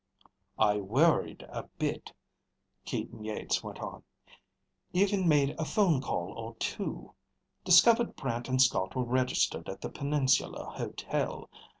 "I worried a bit," Keaton Yeats went on. "Even made a phone call or two. Discovered Brant and Scott were registered at the Peninsular Hotel.